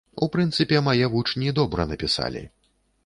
У прынцыпе, мае вучні добра напісалі.